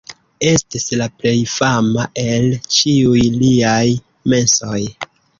Estis la plej fama el ĉiuj liaj mesoj.